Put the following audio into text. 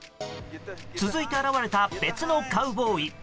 続いて現れた別のカウボーイ。